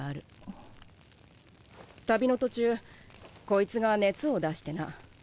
旅の途中こいつが熱を出してな。